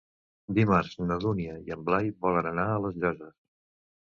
Dimarts na Dúnia i en Blai volen anar a les Llosses.